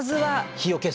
火を消す。